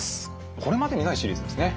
これまでにないシリーズですね。